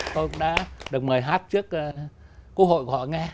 tôi cũng đã được mời hát trước quốc hội của họ nghe